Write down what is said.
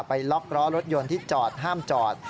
ไปล็อกล้อรถยนต์ที่จอดห้ามจอด